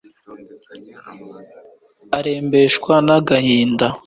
arembeshwa n'agahinda